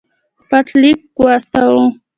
پټ لیک واستاوه.